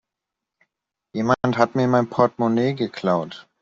Jemand hat mir mein Portmonee geklaut.